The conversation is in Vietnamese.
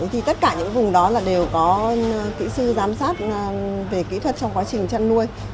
thì tất cả những vùng đó là đều có kỹ sư giám sát về kỹ thuật trong quá trình chăn nuôi